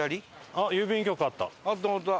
あっ郵便局あった。